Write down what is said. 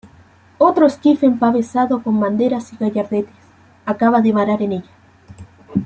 otro esquife empavesado con banderas y gallardetes, acababa de varar en ella